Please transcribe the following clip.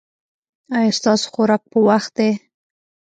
ایا ستاسو خوراک په وخت دی؟